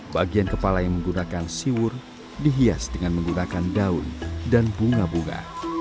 bagian kepala yang menggunakan siwur dihias dengan menggunakan daun dan bunga bunga